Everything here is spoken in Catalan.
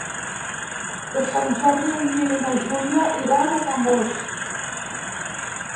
Per Sant Jordi en Nil i na Júlia iran a Camós.